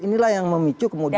inilah yang memicu kemudian